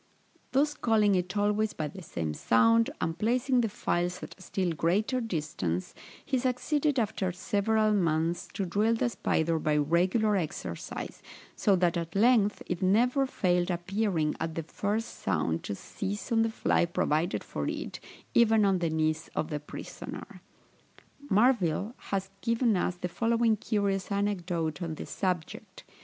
Thus calling it always by the same sound, and placing the flies at a still greater distance, he succeeded, after several months, to drill the spider by regular exercise, so that at length it never failed appearing at the first sound to seize on the fly provided for it, even on the knees of the prisoner. Marville has given us the following curious anecdote on this subject.